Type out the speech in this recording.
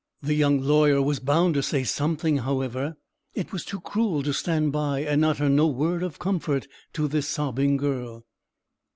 The young lawyer was bound to say something, however. It was too cruel to stand by and utter no word of comfort to this sobbing girl.